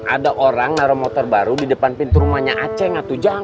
ada orang naruh motor baru di depan pintu rumahnya aceh ngatu jam